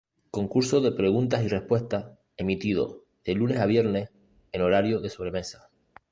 Concurso de preguntas y respuestas, emitido de lunes a viernes en horario de sobremesa.